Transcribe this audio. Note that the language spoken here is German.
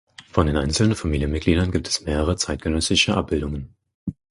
Von den einzelnen Familienmitgliedern gibt es mehrere zeitgenössische Abbildungen.